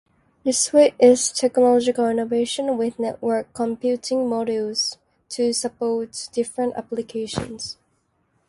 The suite is a technological innovation, with networked computing modules to support different applications.